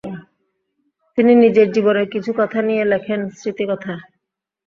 তিনি নিজের জীবনের কিছু কথা নিয়ে লেখেন'স্মৃতিকথা'।